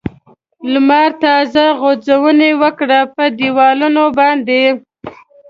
لمر تازه غځونې وکړې په دېوالونو باندې.